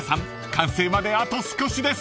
完成まであと少しです］